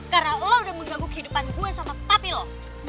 karena lo udah menggaguk kehidupan gue sama papi lo